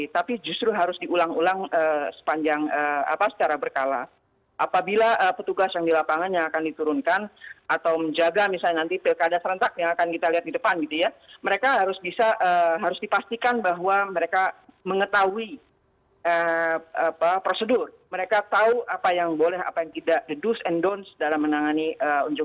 tapi juga misalnya kejahatan terhadap anak